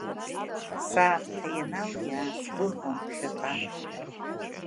Саамҭа ианалиаа, сгәыӷуан ԥхьаҟа…